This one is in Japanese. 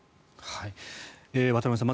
渡部さん